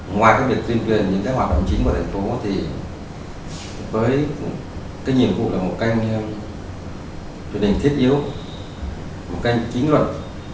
ngoài việc truyền truyền những hoạt động chính của thành phố với nhiệm vụ là một kênh truyền hình thiết yếu một kênh chính luật